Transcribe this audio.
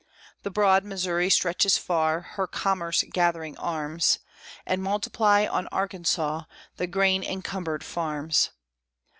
The broad Missouri stretches far Her commerce gathering arms, And multiply on Arkansas The grain encumbered farms.